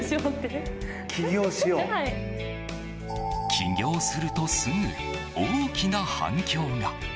起業するとすぐ大きな反響が。